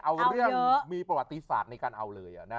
เอาเรื่องมีประวัติศาสตร์ในการเอาเลย